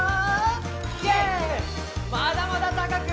まだまだたかく！